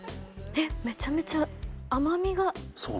えっめちゃめちゃ甘みが。